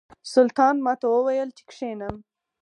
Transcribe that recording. سلطان ماته وویل چې کښېنم.